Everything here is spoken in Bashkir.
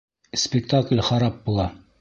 Спектакль харап була!